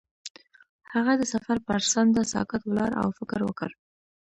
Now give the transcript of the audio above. هغه د سفر پر څنډه ساکت ولاړ او فکر وکړ.